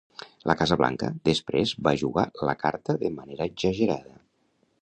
La Casa Blanca després va jugar la carta de manera exagerada.